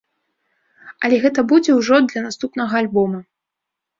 Але гэта будзе ўжо для наступнага альбома.